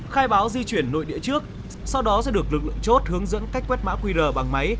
khai báo di chuyển nội địa trước sau đó sẽ được lực lượng chốt hướng dẫn cách quét mã qr bằng máy